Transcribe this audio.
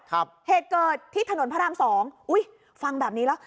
เหตุเกิดที่ถนนพระรามสองอุ้ยฟังแบบนี้แล้ว